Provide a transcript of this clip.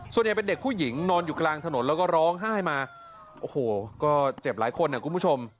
เด็กเป็นเด็กผู้หญิงนอนอยู่กลางถนนแล้วก็ร้องไห้มาโอ้โหก็เจ็บหลายคนนะคุณผู้ชม